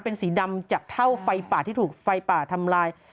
เป็นสีดำจากเท่าไฟป่าที่ถูกไฟป่าทำลาย